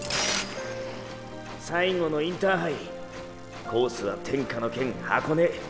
最後のインターハイコースは天下の険箱根。